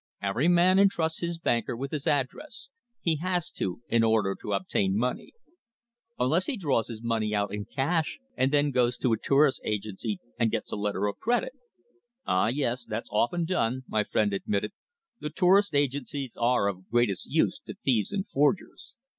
Every man entrusts his banker with his address. He has to, in order to obtain money." "Unless he draws his money out in cash and then goes to a tourist agency and gets a letter of credit." "Ah, yes, that's often done," my friend admitted. "The tourist agencies are of greatest use to thieves and forgers.